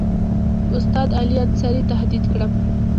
استاد علي انصاري تهدید کړم.